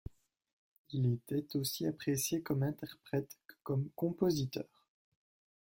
Il était aussi apprécié comme interprète, que comme compositeur.